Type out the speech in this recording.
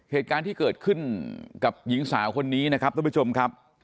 เหตุการณ์ที่เกิดขึ้นกับหญิงสาวคนนี้นะครับท่านผู้ชมครับ